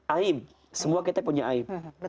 aib semua kita punya aib